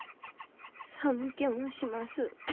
寒気もします。